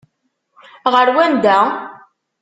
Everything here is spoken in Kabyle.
Ɣer wanda?